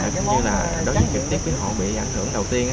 cũng như là đối với trực tiếp với họ bị ảnh hưởng đầu tiên